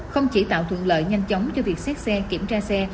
không chỉ tạo thuận lợi nhanh chóng cho việc xét xe kiểm tra xe